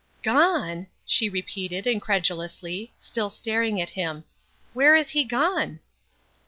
"Gone!" she repeated, incredulously, still staring at him. "Where is he gone?"